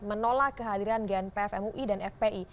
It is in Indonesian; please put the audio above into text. menolak kehadiran gnpf mui dan fpi